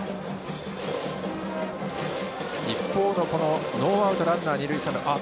一方のノーアウトランナー二塁、三塁。